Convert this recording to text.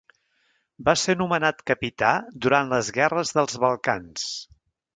Va ser nomenat capità durant les Guerres dels Balcans.